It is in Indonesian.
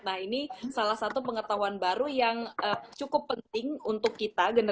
nah ini salah satu pengetahuan baru yang cukup penting untuk kita